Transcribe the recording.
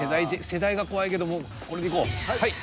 世代が怖いけどもこれでいこう。